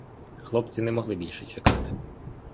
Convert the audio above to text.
Хлопці не могли більше чекати.